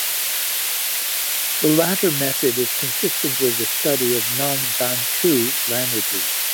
The latter method is consistent with the study of non-Bantu languages.